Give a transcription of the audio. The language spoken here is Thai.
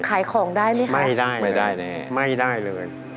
ขายของได้ไหมครับไม่ได้เลยครับไม่ได้เลย